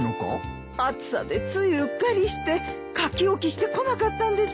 暑さでついうっかりして書き置きしてこなかったんですよ。